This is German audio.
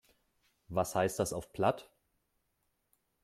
Was heißt das auf Platt?